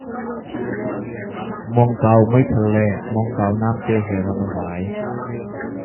Mongkau meithal le mongkau namte he ram a vai.